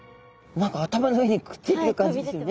何か頭の上にくっついてる感じですよね。